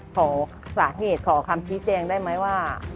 ขอสาเหตุขอคำชี้แจงได้ไหมว่า